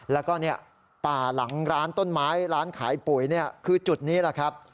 แล้วก็ป่าหลังร้านต้นไม้ร้านขายปุ๋ยคือจุดนี้แหละครับ